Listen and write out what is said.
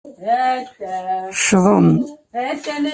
Ccḍen.